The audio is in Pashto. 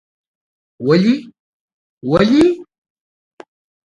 ولې؟ ولې؟؟؟ ….